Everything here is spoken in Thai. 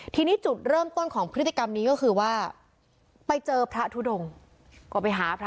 ทีนี้จุดเริ่มต้นของพฤติกรรมนี้ก็คือว่าไปเจอพระทุดงก็ไปหาพระ